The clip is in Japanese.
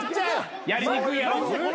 やりにくいやろ。